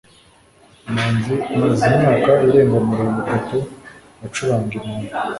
manzi amaze imyaka irenga mirongo itatu acuranga inanga